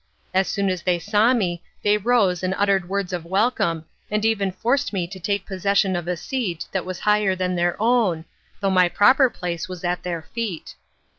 As soon as they saw me they rose and uttered words of welcome, and even forced me to take possession of a seat that was higher than their own, though my proper place was at their feet.